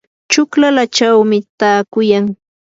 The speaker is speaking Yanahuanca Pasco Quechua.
chuklallachaw taakuyan.